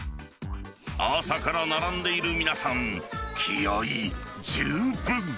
朝から並んでいる皆さん、気合い十分。